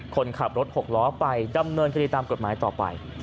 คนขับรถหกล้อไปดำเนินคดีตามกฎหมายต่อไป